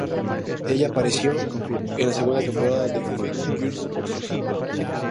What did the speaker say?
Ella apareció en la segunda temporada de Fight Girls Oxygen.